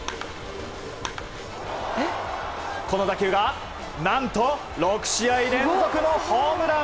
この打球が、何と６試合連続のホームラン！